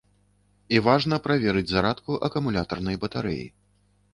І важна праверыць зарадку акумулятарнай батарэі.